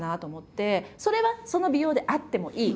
それはその美容であってもいい。